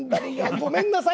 ごめんなさい！